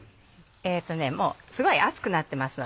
もうすごい熱くなってますね。